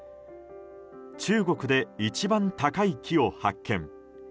中国で一番高い木を発見。